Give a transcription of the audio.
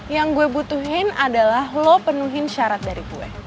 yang gue butuhin adalah lo penuhi syarat dari gue